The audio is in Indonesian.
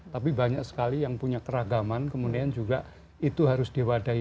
tapi banyak sekali yang punya keragaman kemudian juga itu harus diwadahi